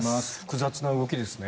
複雑な動きですね。